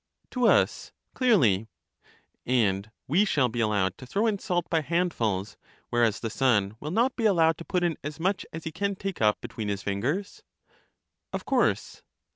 To us, clearly. And we shall be allowed to throw in salt by hand LYSIS 59 fills, whereas the son will not be allowed to put in as much as he can take up between his fingers ? Of course.